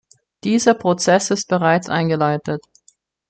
Dieser Prozess ist bereits eingeleitet.